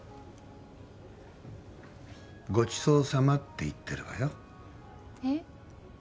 「ごちそうさま」って言ってるわよえっ？